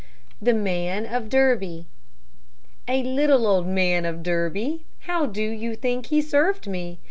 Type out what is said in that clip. THE MAN OF DERBY A little old man of Derby, How do you think he served me?